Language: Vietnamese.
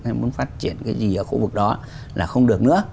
hay muốn phát triển cái gì ở khu vực đó là không được nữa